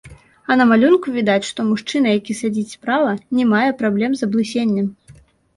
А на малюнку відаць, што мужчына, які сядзіць справа, не мае праблем з аблысеннем.